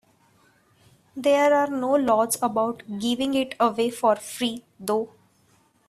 There are no laws about giving it away for free, though.